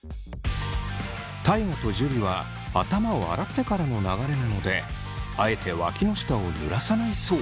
大我と樹は頭を洗ってからの流れなのであえてわきの下をぬらさないそう。